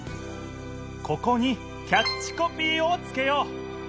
ここにキャッチコピーをつけよう！